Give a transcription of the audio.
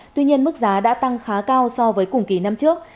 tuy nhiên mức giá đã tăng khá cao so với cùng kỳ năm trước